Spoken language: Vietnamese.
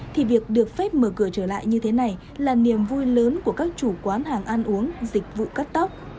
thì việc được phép mở cửa trở lại như thế này là niềm vui lớn của các chủ quán hàng ăn uống dịch vụ cắt tóc